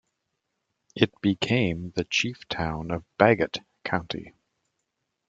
It became the chief town of Bagot County.